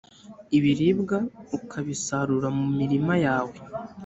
ibiribwa ukabisarura mu mirima yawe.